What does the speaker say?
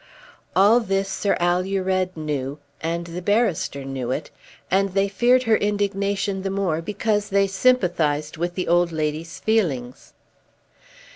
All this Sir Alured knew and the barrister knew it, and they feared her indignation the more because they sympathised with the old lady's feelings.